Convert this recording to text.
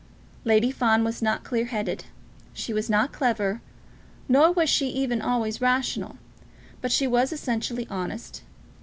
Lady Fawn was not clear headed; she was not clever; nor was she even always rational. But she was essentially honest.